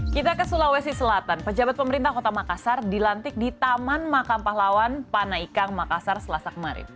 kita ke sulawesi selatan pejabat pemerintah kota makassar dilantik di taman makam pahlawan panaikang makassar selasa kemarin